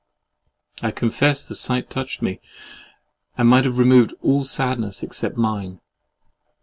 I confess the sight touched me; and might have removed all sadness except mine.